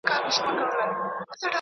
خدای مو ړانده که دا جهالت دی..